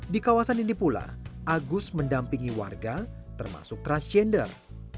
di kawasan ini pula agus mendampingi warga termasuk transgender